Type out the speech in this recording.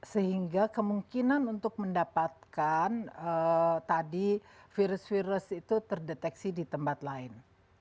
sehingga kemungkinan untuk mendapatkan tadi virus virus itu terdeteksi di tempat lain